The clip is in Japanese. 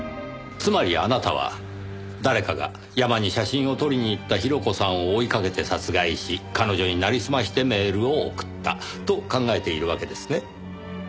つまりあなたは誰かが山に写真を撮りに行った広子さんを追いかけて殺害し彼女になりすましてメールを送ったと考えているわけですね？